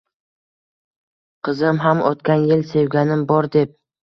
Qizim ham o’tgan yil «sevganim bor», deb